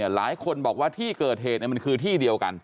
หลายคนบอกว่าที่เกิดเหตุมันคือที่เดียวกัน